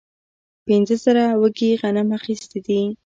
پنځه زره وږي غنم اخیستي دي.